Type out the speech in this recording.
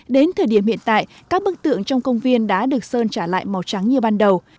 đến thời điểm hiện tại các bức tượng trong công viên đã được sơn trả lại màu trắng như ban đầu